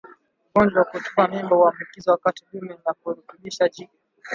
Ugonjwa wa kutupa mimba huambukizwa wakati dume linaporutubisha jike